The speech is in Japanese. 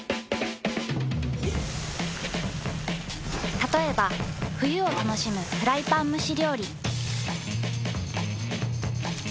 たとえば冬を楽しむフライパン蒸し料理。